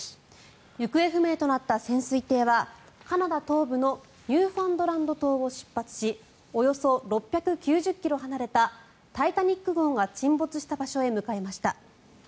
行方不明となった潜水艇はカナダ東部のニューファンドランド島を出発しおよそ６９０ｋｍ離れた「タイタニック号」が沈没した場所へと向かいました。